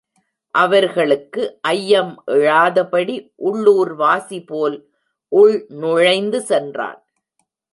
அவர்களுக்கு ஐயம் எழாதபடி உள்ளுர் வாசிபோல் உள் நுழைந்து சென்றான்.